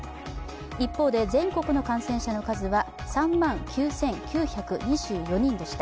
一方で、全国の感染者の数は３万９９２４人でした。